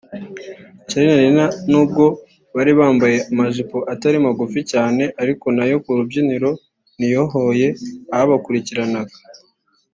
Charly na Nina nubwo bari bambaye anajipo atari magufi cyane ariko nayo kurubyiniro ntiyohoye ababakurikiranaga